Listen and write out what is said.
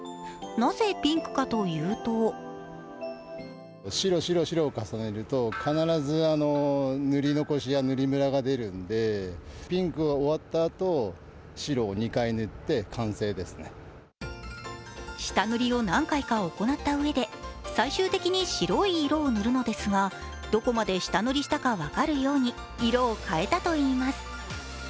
なぜピンクかというと下塗りを何回か行ったうえで最終的に白い色を塗るのですが、どこまで下塗りしたか分かるように色を変えたといいます。